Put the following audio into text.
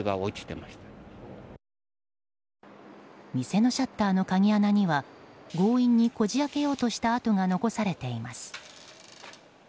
店のシャッターの鍵穴には強引にこじ開けようとした跡が残されています。